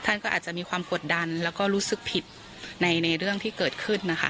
ท่านก็อาจจะมีความกดดันแล้วก็รู้สึกผิดในเรื่องที่เกิดขึ้นนะคะ